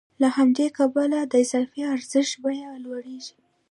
له همدې کبله د اضافي ارزښت بیه لوړېږي